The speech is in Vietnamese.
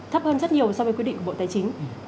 thấp hơn rất nhiều so với quy định của bộ tài chính